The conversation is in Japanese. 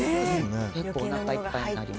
結構おなかいっぱいになります。